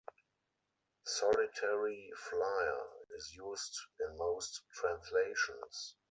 "Solitary flier" is used in most translations.